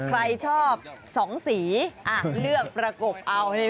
ใครชอบ๒สีเลือกประกบเอา